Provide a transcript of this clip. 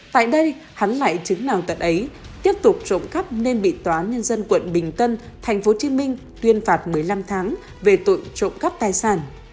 tại đây hắn loại chứng nào tật ấy tiếp tục trộm cắp nên bị tòa án nhân dân quận bình tân tp hcm tuyên phạt một mươi năm tháng về tội trộm cắp tài sản